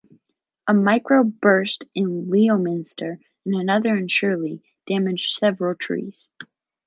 A microburst in Leominster and another in Shirley damaged several trees.